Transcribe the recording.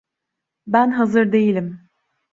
Ben hazır değilim.